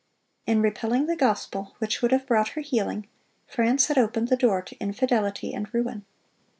In repelling the gospel, which would have brought her healing, France had opened the door to infidelity and ruin.